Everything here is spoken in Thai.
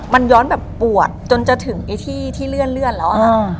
มันย้อนแบบปวดจนจะถึงที่เลื่อนแล้ว